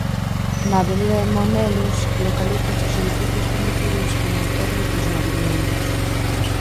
Na avenida de Monelos localízanse os edificios coñecidos como Torres dos Mariñeiros.